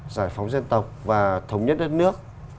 giải phóng dân tộc và thống nhất đất nước